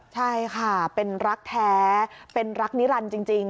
ใช่ค่ะเป็นรักแท้เป็นรักนิรันดิ์จริง